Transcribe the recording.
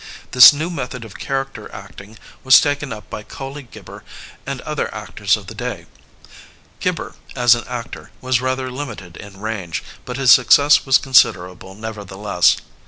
This new method of character act ing was taken up by Colley Gibber and other actors of the day. Gibber, as an actor, was rather limited in range, but his success was considerable, neverthe less.